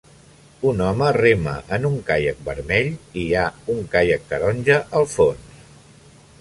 Un home rema en un caiac vermell i hi ha un caiac taronja al fons.